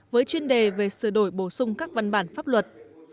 với chuyên đề về sửa đổi bổ sung các văn bản pháp luật